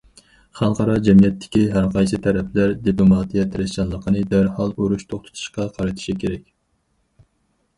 خەلقئارا جەمئىيەتتىكى ھەرقايسى تەرەپلەر دىپلوماتىيە تىرىشچانلىقىنى دەرھال ئۇرۇش توختىتىشقا قارىتىشى كېرەك.